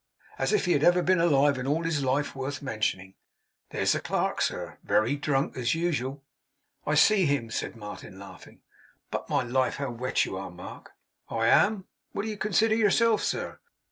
As if he had ever been alive in all his life, worth mentioning! There's the clerk, sir wery drunk, as usual.' 'I see him!' said Martin, laughing. 'But, my life, how wet you are, Mark!' 'I am! What do you consider yourself, sir?